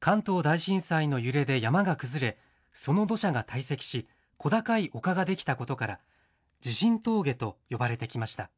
関東大震災の揺れで山が崩れ、その土砂が堆積し、小高い丘が出来たことから、地震峠と呼ばれてきました。